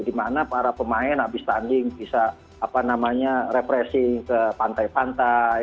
di mana para pemain habis tanding bisa refreshing ke pantai pantai